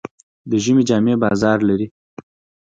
د ژمي جامې بازار لري.